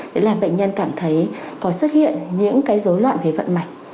đó là bệnh nhân cảm thấy có xuất hiện những rối loạn về vận mạch